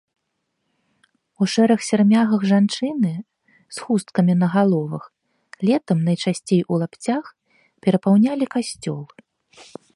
У шэрых сярмягах жанчыны, з хусткамі на галовах, летам найчасцей у лапцях, перапаўнялі касцёл.